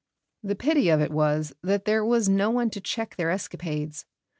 The pity of it was that there was no one to check their escapades.